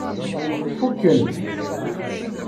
Fuken.